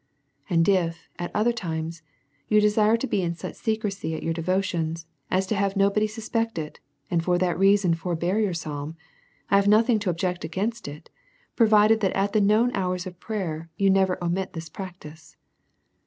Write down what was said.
And if at other times you desire to be in such secre cy at your devotions, as to have nobody suspect it, and for that reason forbear your psalm ; I have nothing to object against it ; provided, that at the known hours of prayer, you never omit this practice.